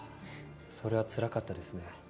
それはつらかったですね。